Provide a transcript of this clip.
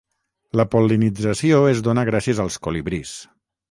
La pol·linització es dóna gràcies als colibrís.